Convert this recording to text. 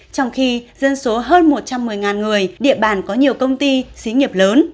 trong khi dân số hơn một trăm một mươi người địa bàn có nhiều công ty xí nghiệp lớn